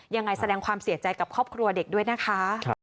ยังไงแสดงความเสียใจกับครอบครัวเด็กด้วยนะคะ